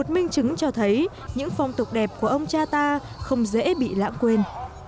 minh chứng cho thấy những phong tục đẹp của ông cha ta không dễ bị lãng quên